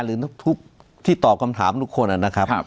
หรือทุกที่ตอบคำถามทุกคนนะครับ